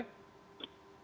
ya bagi kami